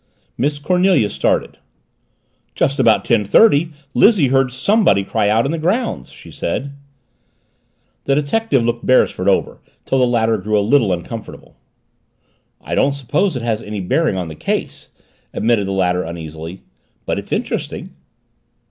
Miss Cornelia started. "Just about ten thirty Lizzie heard somebody cry out, in the grounds," she said. The detective looked Beresford over till the latter grew a little uncomfortable. "I don't suppose it has any bearing on the case," admitted the latter uneasily. "But it's interesting."